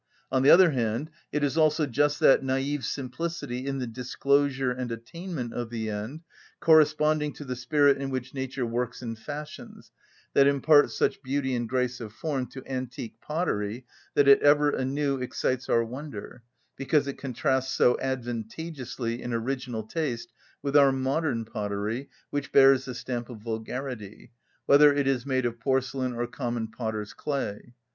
On the other hand, it is also just that naive simplicity in the disclosure and attainment of the end, corresponding to the spirit in which nature works and fashions, that imparts such beauty and grace of form to antique pottery that it ever anew excites our wonder, because it contrasts so advantageously in original taste with our modern pottery, which bears the stamp of vulgarity, whether it is made of porcelain or common potter's clay.